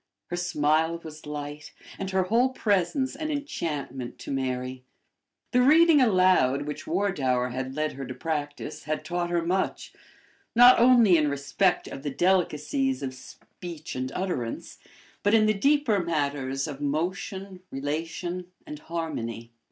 Her smile was light, and her whole presence an enchantment to Mary. The reading aloud which Wardour had led her to practice had taught her much, not only in respect of the delicacies of speech and utterance, but in the deeper matters of motion, relation, and harmony.